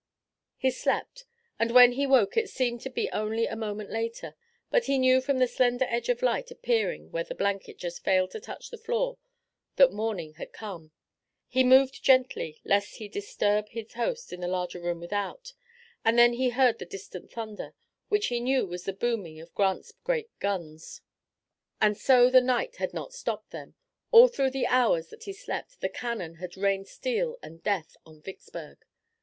He slept, and when he woke it seemed to be only a moment later, but he knew from the slender edge of light appearing where the blanket just failed to touch the floor that morning had come. He moved gently lest he disturb his host in the larger room without, and then he heard the distant thunder, which he knew was the booming of Grant's great guns. And so the night had not stopped them! All through the hours that he slept the cannon had rained steel and death on Vicksburg.